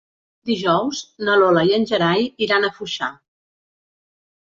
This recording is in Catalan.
Dijous na Lola i en Gerai iran a Foixà.